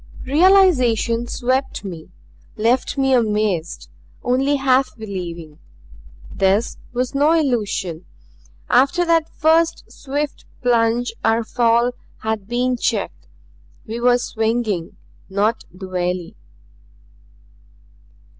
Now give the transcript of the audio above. Realization swept me; left me amazed; only half believing. This was no illusion. After that first swift plunge our fall had been checked. We were swinging not the valley.